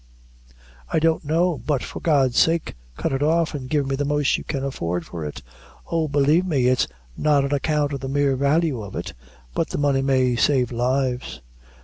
"I don't know; but for God's sake cut it off, and give me the most you can afford for it. Oh! believe me, it's not on account of the mere value of it, but the money may save lives."